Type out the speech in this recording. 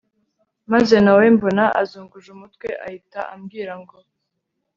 maze nawe mbona azunguje umutwe ahita ambwira ngo